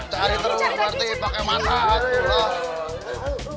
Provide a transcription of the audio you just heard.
cari terus berarti pakai mana aja